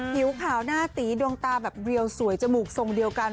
ผิวขาวหน้าตีดวงตาแบบเรียวสวยจมูกทรงเดียวกัน